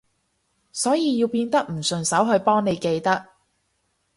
所以要變得唔順手去幫你記得